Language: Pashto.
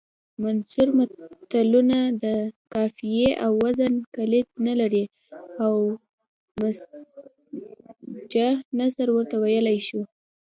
منثور متلونه د قافیې او وزن قید نلري او مسجع نثر ورته ویلی شو